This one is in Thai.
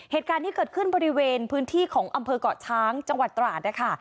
เหตุการณ์นี้เกิดขึ้นบริเวณพื้นที่ของอำเภอกเกาะช้างจังหวัดตราดนะคะ